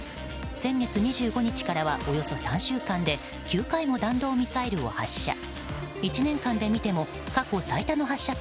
先月２５日からはおよそ３週間で９回も弾道ミサイルを発射。